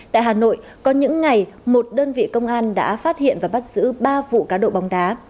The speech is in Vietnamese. tại hà nội có những ngày một đơn vị công an đã phát hiện và bắt giữ ba vụ cá độ bóng đá